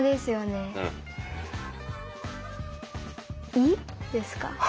「い」ですか？